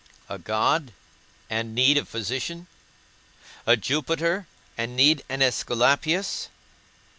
A god, and need a physician? A Jupiter, and need an Æsculapius?